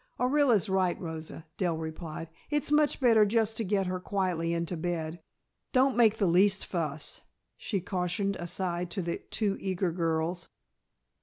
"Orilla's right, Rosa," Dell replied. "It's much better just to get her quietly into bed. Don't make the least fuss " she cautioned aside to the two eager girls.